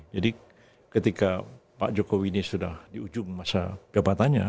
jadi ketika pak jokowi ini sudah di ujung masa kebatannya